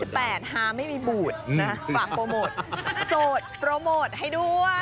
ฮาไม่มีบูดนะฝากโปรโมทโสดโปรโมทให้ด้วย